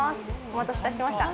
お待たせいたしました。